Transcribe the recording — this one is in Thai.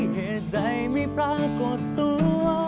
เหตุใดไม่ปรากฏตัว